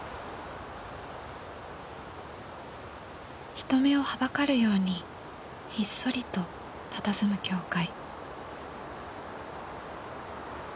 人目をはばかるようにひっそりと佇む教会。